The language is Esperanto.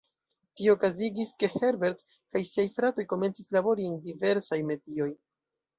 Tio okazigis, ke Herbert kaj siaj fratoj komencis labori en diversaj metioj.